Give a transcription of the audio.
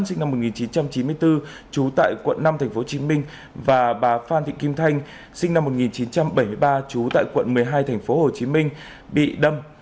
sinh năm một nghìn chín trăm chín mươi bốn trú tại quận năm tp hcm và bà phan thị kim thanh sinh năm một nghìn chín trăm bảy mươi ba trú tại quận một mươi hai tp hcm bị đâm